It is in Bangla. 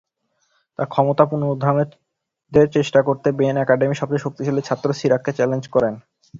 তার ক্ষমতা পুনরুদ্ধারের চেষ্টা করতে, বেন একাডেমির সবচেয়ে শক্তিশালী ছাত্র সিরাককে চ্যালেঞ্জ করেন।